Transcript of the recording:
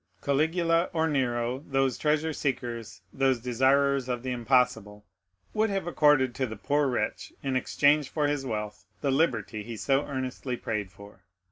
Caligula or Nero, those treasure seekers, those desirers of the impossible, would have accorded to the poor wretch, in exchange for his wealth, the liberty he so earnestly prayed for.